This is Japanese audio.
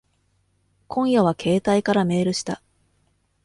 今夜は携帯からメールした。